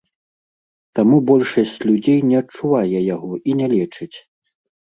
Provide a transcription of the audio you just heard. Таму большасць людзей не адчувае яго і не лечыць.